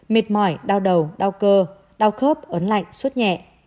mệt mỏi đau đầu đau cơ đau khớp ấn lạnh suốt nhẹ